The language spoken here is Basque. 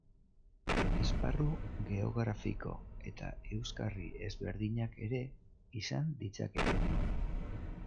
Esparru geografiko eta euskarri ezberdinak ere izan ditzakete.